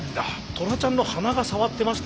トラちゃんの鼻が触ってましたか？